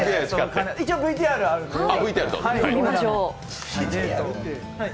一応、ＶＴＲあるので。